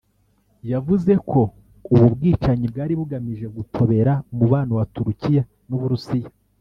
yavuze ko ubu bwicanyi bwari bugamije gutobera umubano wa Turukiya n'Uburusiya